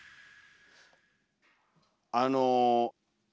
あの。